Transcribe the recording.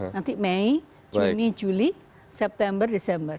nanti mei juni juli september desember